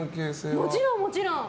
もちろん、もちろん。